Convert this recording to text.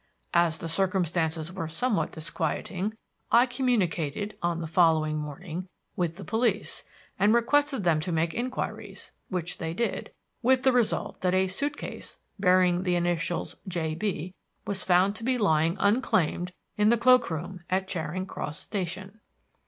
As the circumstances were somewhat disquieting, I communicated, on the following morning, with the police and requested them to make inquiries; which they did, with the result that a suit case bearing the initials 'J. B.', was found to be lying unclaimed in the cloakroom at Charing Cross Station.